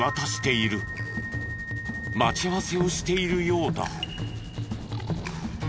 待ち合わせをしているようだ。